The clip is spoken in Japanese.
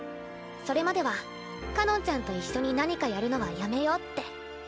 それまではかのんちゃんと一緒に何かやるのはやめようって。